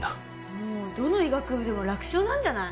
もうどの医学部でも楽勝なんじゃない？